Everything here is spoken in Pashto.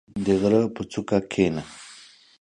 • د غره په څوکه کښېنه.